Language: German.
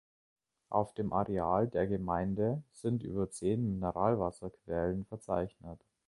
Auf dem Areal der Gemeinde sind über zehn Mineralwasserquellen verzeichnet.